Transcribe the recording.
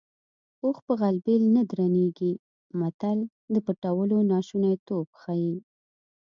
اوښ په غلبېل نه درنېږي متل د پټولو ناشونیتوب ښيي